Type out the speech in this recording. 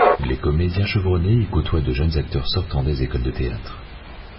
Les comédiens chevronnés y côtoient de jeunes acteurs sortant des écoles de théâtre.